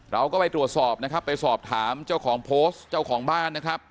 เราก็ไปตรวจสอบนะครับไปสอบถามเจ้าของโพสต์เจ้าของบ้านนะครับ